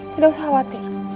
tidak usah khawatir